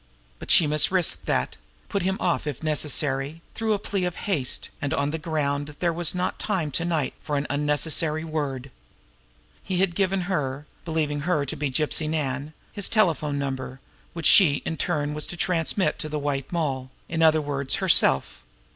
But she must risk that put him off, if necessary, through the plea of haste, and on the ground that there was not time to night for an unnecessary word. He had given her, believing her to be Gypsy Nan, his telephone number, which she, in turn, was to transmit to the White Moll in other words, herself!